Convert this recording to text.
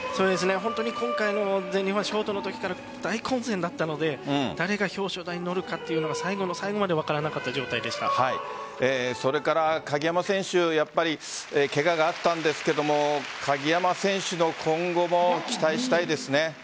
本当に今回の全日本ショートのときから大混戦だったので誰が表彰台に乗るのかというのが最後の最後までそれから鍵山選手やっぱりけががあったんですけど鍵山選手の今後もそうですね。